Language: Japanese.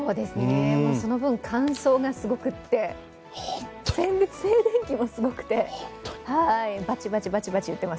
その分、乾燥がすごくって、静電気もすごくて、バチバチいってます